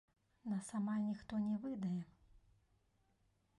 Нас амаль ніхто не выдае.